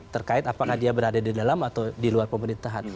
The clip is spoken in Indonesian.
terkait apakah dia berada di dalam atau di luar pemerintahan